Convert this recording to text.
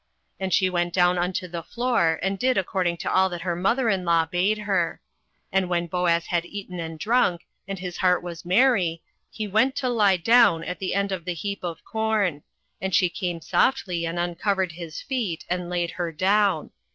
08:003:006 And she went down unto the floor, and did according to all that her mother in law bade her. 08:003:007 And when Boaz had eaten and drunk, and his heart was merry, he went to lie down at the end of the heap of corn: and she came softly, and uncovered his feet, and laid her down.